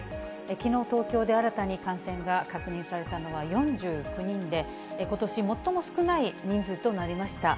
きのう、東京で新たに感染が確認されたのは４９人で、ことし最も少ない人数となりました。